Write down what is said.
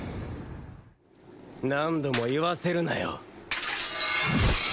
何度も言わせるなよ。